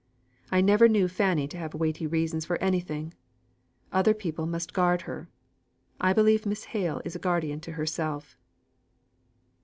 I never knew Fanny have weighty reasons for anything. Other people must guard her. I believe Miss Hale is a guardian to herself."